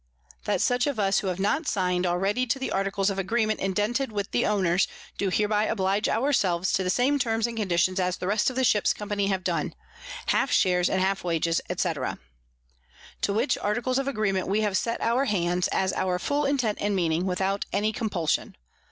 _That such of us who have not sign'd already to the Articles of Agreement indented with the Owners, do hereby oblige our selves to the same Terms and Conditions as the rest of the Ships Company have done; half Shares and half Wages_, &c. _To which Articles of Agreement we have set our Hands, as our full Intent and Meaning, without any Compulsion.